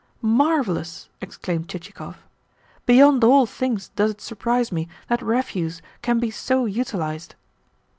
"Marvellous!" exclaimed Chichikov. "Beyond all things does it surprise me that refuse can be so utilised."